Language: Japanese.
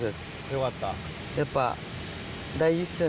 よかった。